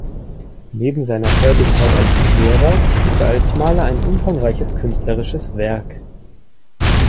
Neben seiner Tätigkeit als Lehrer schuf er als Maler ein umfangreiches künstlerisches Werk.